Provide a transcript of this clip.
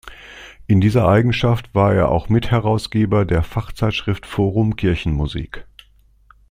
In dieser Eigenschaft war er auch Mitherausgeber der Fachzeitschrift Forum Kirchenmusik.